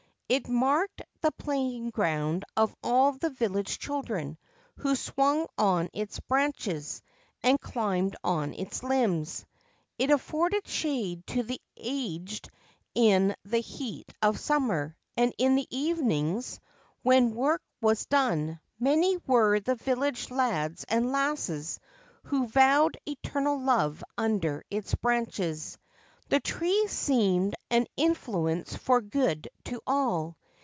It marked the playing ground of all the village children, who swung on its branches, and climbed on its limbs. It afforded shade to the aged in the heat of summer, and in the evenings, when work was done, many were the village lads and lasses who vowed eternal love under its branches. The tree seemed an influence for good to all.